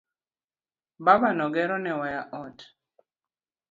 Baba no gero ne waya ot.